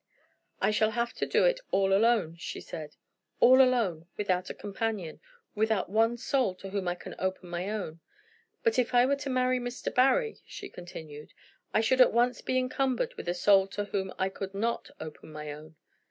"I shall have to do it all alone," she said; "all alone; without a companion, without one soul to whom I can open my own. But if I were to marry Mr. Barry," she continued, "I should at once be encumbered with a soul to whom I could not open my own.